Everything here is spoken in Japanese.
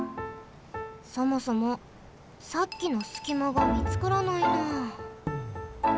そもそもさっきのすきまがみつからないな。